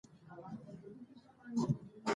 ميتود يوناني کلمه ده چي له ميتا او هودس څخه اخستل سوي